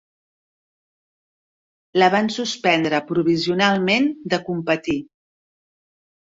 La van suspendre provisionalment de competir.